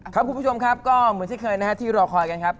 คุณผู้ชมครับก็เหมือนที่เคยนะฮะที่รอคอยกันครับ